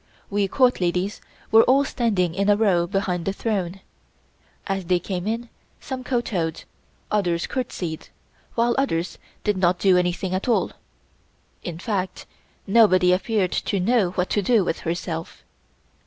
We Court ladies were all standing in a row behind the Throne. As they came in, some kowtowed; others courtesied, while others did not do anything at all, in fact nobody appeared to know what to do with herself.